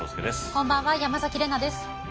こんばんは山崎怜奈です。